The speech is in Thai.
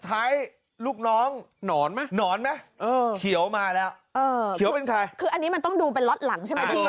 หาวหาวหาวหาวหาวหาวหาวหาวหาวหาว